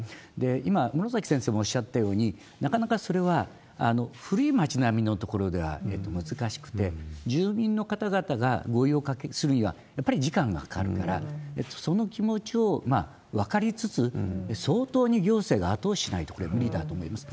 今、むろさき先生もおっしゃったように、なかなかそれは古い町並みのところでは難しくて、住民の方々が合意をするには、やっぱり時間がかかるから、その気持ちを分かりつつ、相当に行政が後押ししないと、これ、無理だと思います。